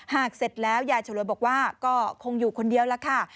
เสร็จแล้วยายฉลวยบอกว่าก็คงอยู่คนเดียวล่ะค่ะ